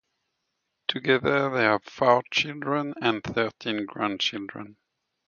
Together they have four children and thirteen grandchildren.